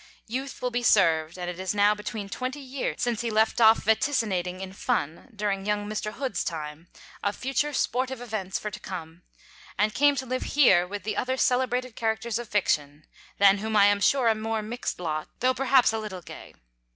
Youth will be served; and it is now between twenty years since he left off vaticinating in "Fun," during young Mr. Hood's time, of future sportive events for to come, and came to live here with the other celebrated characters of Fiction, than whom I am sure a more mixed lot, though perhaps a little gay.